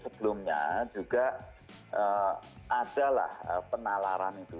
sebelumnya juga ada lah penalaran itu